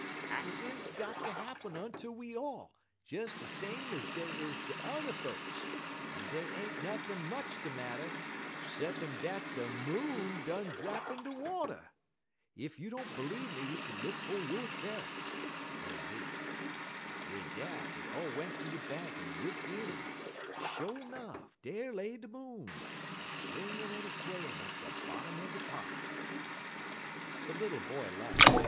'Accidents got ter happen unter we all, des same ez dey is unter yuther folks; en dey ain't nuthin' much de marter, 'ceppin' dat de Moon done drap in de water. Ef you don't b'leeve me you kin look fer yo'se'f,' sezee. "Wid dat dey all went ter de bank en lookt in; en, sho' nuff, dar lay de Moon, a swingin' an' a swayin' at de bottom er de pon'." The little boy laughed.